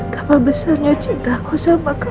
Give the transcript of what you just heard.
kenapa besarnya cintaku sama kamu